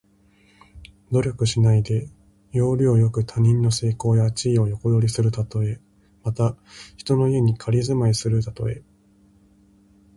努力しないで、要領よく他人の成功や地位を横取りするたとえ。また、人の家に仮住まいするたとえ。